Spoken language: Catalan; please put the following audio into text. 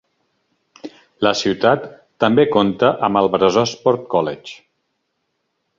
La ciutat també compta amb el Brazosport College.